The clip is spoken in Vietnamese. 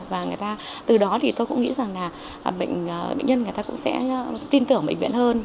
và từ đó thì tôi cũng nghĩ rằng là bệnh nhân người ta cũng sẽ tin tưởng bệnh viện hơn